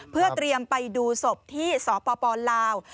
เพื่อเตรียมไปดูศพที่สปลาว